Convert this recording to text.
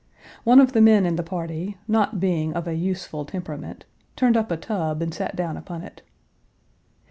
One of the men in the party, not being of a useful temperament, turned up a tub and sat down upon it.